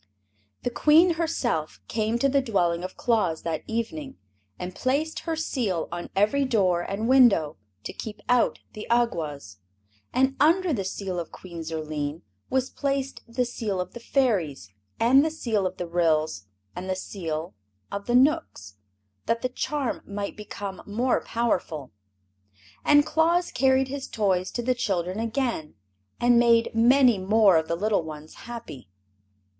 The Queen herself came to the dwelling of Claus that evening and placed her Seal on every door and window, to keep out the Awgwas. And under the Seal of Queen Zurline was placed the Seal of the Fairies and the Seal of the Ryls and the Seals of the Knooks, that the charm might become more powerful. And Claus carried his toys to the children again, and made many more of the little ones happy.